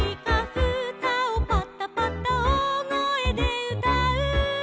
「ふたをバタバタおおごえでうたう」